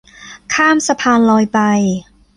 ข้ามสะพานลอยไป